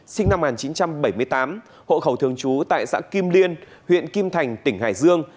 nguyễn thu ngà sinh năm một nghìn chín trăm bảy mươi tám hộ khẩu thương chú tại xã kim liên huyện kim thành tp hải dương